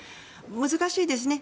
難しいですね。